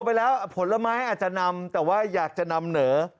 ไปแล้วผลไม้อาจจะนำแต่ว่าอยากจะนำเหนอ